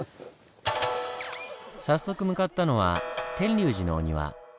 早速向かったのは天龍寺のお庭。